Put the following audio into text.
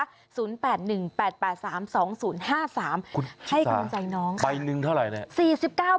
ให้กำลังใจน้องค่ะคุณชิคกี้พายใบหนึ่งเท่าไหร่นะ